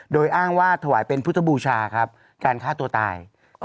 โดยอ้างว่าถวายเป็นพุทธบูชาครับการฆ่าตัวตาย